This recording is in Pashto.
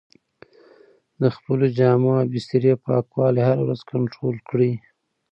د خپلو جامو او بسترې پاکوالی هره ورځ کنټرول کړئ.